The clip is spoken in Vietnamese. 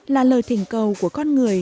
là lời thỉnh cầu của con người